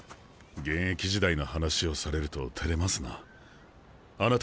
現役時代の話をされるとてれますな。